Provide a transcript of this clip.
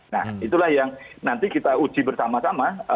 nah itulah yang nanti kita uji bersama sama